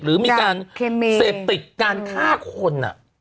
หรือมีการเสพติดการฆ่าคน